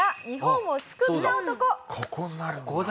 ここになるんだ。